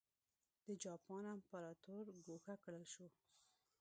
د جاپان امپراتور ګوښه کړل شو.